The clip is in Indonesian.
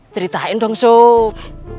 ceritain dong sup